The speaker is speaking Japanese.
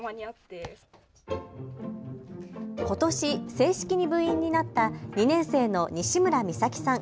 ことし正式に部員になった２年生の西村美咲さん。